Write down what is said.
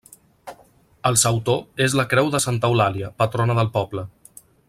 El sautor és la creu de Santa Eulàlia, patrona del poble.